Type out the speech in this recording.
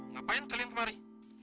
ngapain kalian kemari